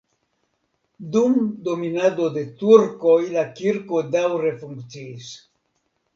Dum dominado de turkoj la kirko daŭre funkciis.